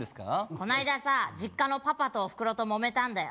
こないださ実家のパパとおふくろともめたんだよ